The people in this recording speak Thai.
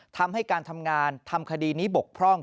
ทำให้การทำงานทำคดีนี้บกพร่อง